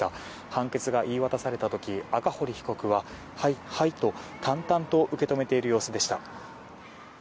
判決が言い渡された時赤堀被告ははい、はいと淡々と受け止めている様子でした。